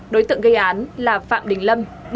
đối tượng gây án là phạm đình lâm